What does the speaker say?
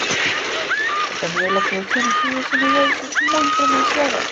El tamaño de floración de las unidades es muy pronunciada.